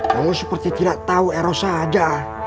kamu seperti tidak tahu erosnya aja